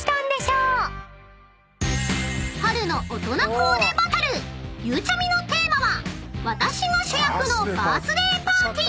［春の大人コーデバトルゆうちゃみのテーマは］